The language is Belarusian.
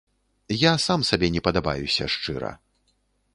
Я сам сабе не падабаюся, шчыра.